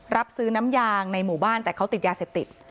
รับซื้อน้ำยางในหมู่บ้านแต่เขาติดยาเสพติด